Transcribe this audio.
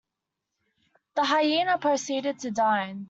The hyena proceeded to dine.